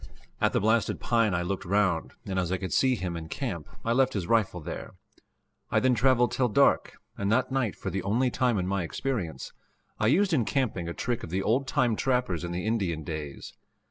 At the blasted pine I looked round, and as I could see him in camp, I left his rifle there. I then traveled till dark, and that night, for the only time in my experience, I used in camping a trick of the old time trappers in the Indian days.